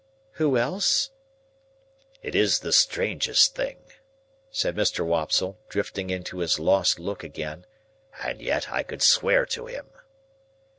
"Who else?" "It is the strangest thing," said Mr. Wopsle, drifting into his lost look again; "and yet I could swear to him."